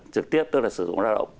liên tiếp tức là sử dụng lao động